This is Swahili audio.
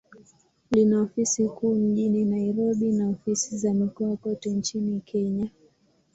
Lina ofisi kuu mjini Nairobi, na ofisi za mikoa kote nchini Kenya.